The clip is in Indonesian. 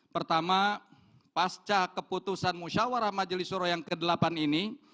pertama pasca keputusan musyawarah majelis suro yang ke delapan ini